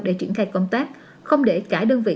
để triển khai công tác không để cả đơn vị